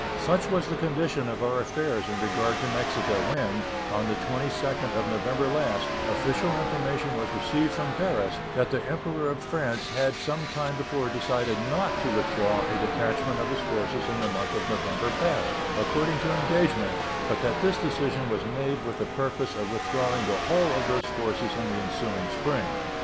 Such was the condition of our affairs in regard to Mexico when, on the 22d of November last, official information was received from Paris that the Emperor of France had some time before decided not to withdraw a detachment of his forces in the month of November past, according to engagement, but that this decision was made with the purpose of withdrawing the whole of those forces in the ensuing spring.